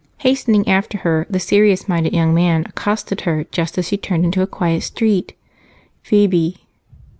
Hastening after her, the serious minded young man accosted her just as she turned into a quiet street. "Phebe!"